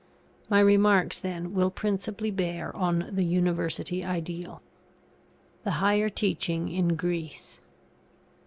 My remarks then will principally bear on the UNIVERSITY IDEAL. [THE HIGHER TEACHING IN GREECE.